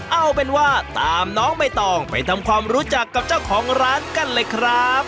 เอาเป็นว่าตามน้องใบตองไปทำความรู้จักกับเจ้าของร้านกันเลยครับ